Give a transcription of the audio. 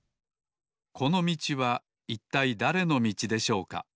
このみちはいったいだれのみちでしょうか？